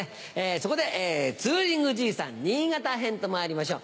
そこでツーリングじいさん新潟編とまいりましょう。